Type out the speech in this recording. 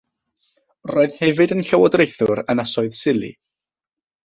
Roedd hefyd yn Llywodraethwr Ynysoedd Sili.